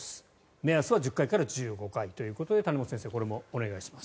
目安は１０回から１５回ということで谷本先生、これもお願いします。